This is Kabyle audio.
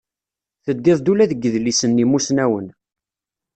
Teddiḍ-d ula deg yidlisen n yimusnawen.